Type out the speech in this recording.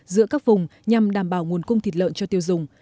giữa các vùng nhằm đảm bảo nguồn cung thịt lợn cho tiêu dùng